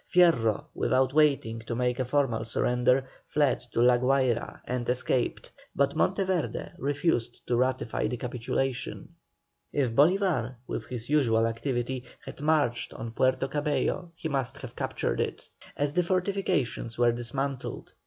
Fierro, without waiting to make a formal surrender, fled to La Guayra and escaped, but Monteverde refused to ratify the capitulation. If Bolívar with his usual activity, had marched on Puerto Cabello, he must have captured it, as the fortifications were dismantled.